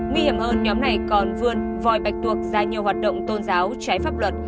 nguy hiểm hơn nhóm này còn vươn vòi bạch tuộc ra nhiều hoạt động tôn giáo trái pháp luật